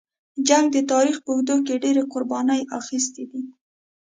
جنګ د تاریخ په اوږدو کې ډېرې قربانۍ اخیستې دي.